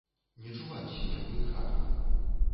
Не чуваць смеху і жартаў.